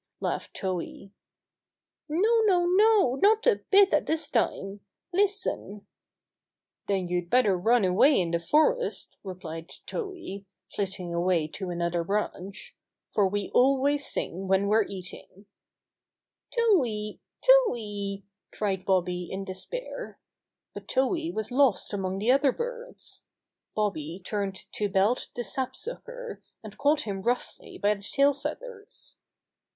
laughed Towhee. "No! No I Not a bit at this time! Listen I" 73 74 Bobby Gray Squirrel's Adventures "Then you'd better run away in the forest," replied Towhee, flitting away to another branch, "for we always sing when we're eat ing." "Towhee I Towhee 1" cried Bobby in de spair. But Towhee was lost among the other birds. Bobby turned to Belt the Sapsucker, and caught him roughly by the tail feathers.